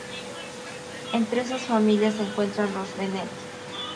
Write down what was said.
Entre esas familias se encuentran los Bennet.